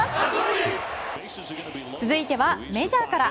続いてはメジャーから。